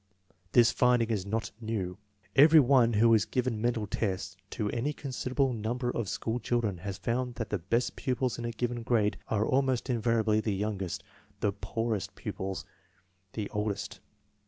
This finding is not new. Every one who has given mental tests to any considerable number of school children has found that the best pupils in a given grade are almost invariably the youngest; the poorest pupils, the oldest.